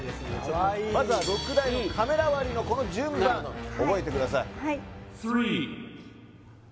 まずは６台のカメラ割のこの順番覚えてください